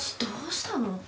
どうしたの？